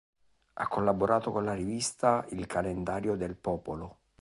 Ha collaborato con la rivista Il Calendario del Popolo.